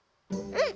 うん。